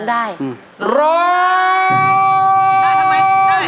โดยเชียร์มวยไทยรัฐมาแล้ว